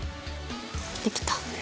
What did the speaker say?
できた。